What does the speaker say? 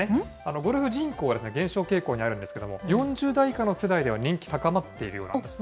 ゴルフ人口は減少傾向にあるんですけれども、４０代以下の世代では人気高まっているようなんです。